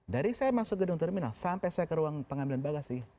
dari saya masuk gedung terminal sampai saya ke ruang pengambilan bagasi